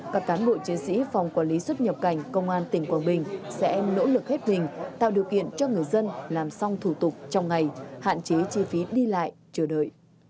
các cán bộ chiến sĩ phòng quản lý xuất nhập cảnh công an tỉnh quảng bình sẽ nỗ lực hết mình tạo điều kiện cho người dân làm xong thủ tục trong ngày hạn chế chi phí đi lại chờ đợi